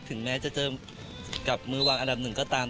ถึงแม้จะเจอกับมือวางอันดับหนึ่งก็ตาม